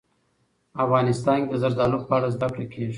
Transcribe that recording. افغانستان کې د زردالو په اړه زده کړه کېږي.